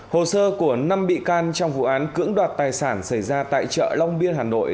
hồ sơ của năm bị can trong vụ án cưỡng đoạt tài sản xảy ra tại chợ long biên hà nội